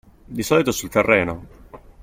Di solito sul terreno.